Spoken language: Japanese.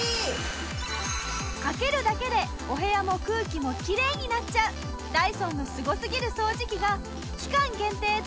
かけるだけでお部屋も空気もきれいになっちゃうダイソンのすごすぎる掃除機が期間限定特別セット！